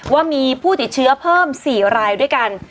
ว่ามีผู้ติดเชื้อเพิ่ม๔รายด้วยกัน